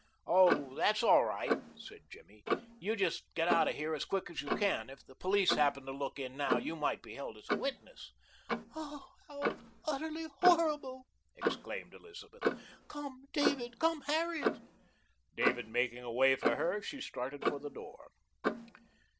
"Oh, that's all right," said Jimmy. "You just get out of here as quick as you can. If the police happened to look in now you might be held as a witness." "How utterly horrible!" exclaimed Elizabeth. "Come, David! Come, Harriet!" David making a way for her, she started for the door.